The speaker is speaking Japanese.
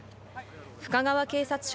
深川警察署